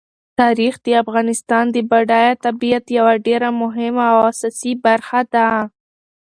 تاریخ د افغانستان د بډایه طبیعت یوه ډېره مهمه او اساسي برخه ده.